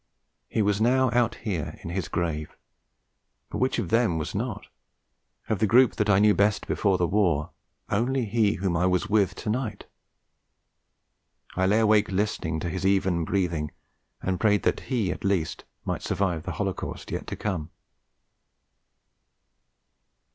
He was now out here in his grave; but which of them was not? Of the group that I knew best before the war, only he whom I was with to night! I lay awake listening to his even breathing, and prayed that he at least might survive the holocaust yet to come.